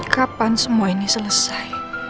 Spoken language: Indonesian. kapan semua ini selesai